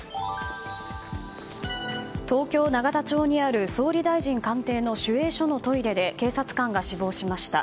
東京・永田町にある総理大臣官邸の守衛所のトイレで警察官が死亡しました。